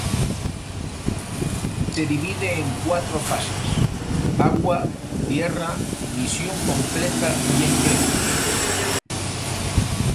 Se divide en cuatro fases: agua, tierra, misión completa y empleo.